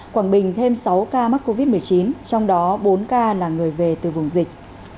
quảng bình thêm sáu ca mắc covid một mươi chín trong đó bốn ca là người về từ vùng dịch